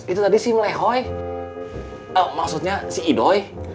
itu tadi si melehoi maksudnya si idoi